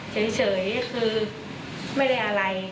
เฉยคือไม่ได้อะไร